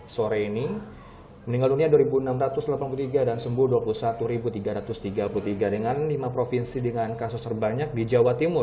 sore ini meninggal dunia dua enam ratus delapan puluh tiga dan sembuh dua puluh satu tiga ratus tiga puluh tiga dengan lima provinsi dengan kasus terbanyak di jawa timur